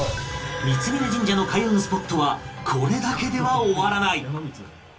三峯神社の開運スポットはこれだけでは終わらない